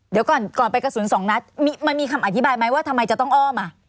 เดี๋ยวก่อนก่อนไปกระสุนสองนัดมันมีคำอธิบายไหมว่าทำไมจะต้องอ้อมอ่ะ